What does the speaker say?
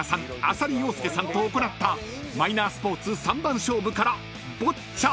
浅利陽介さんと行ったマイナースポーツ３番勝負からボッチャ］